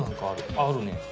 あるね。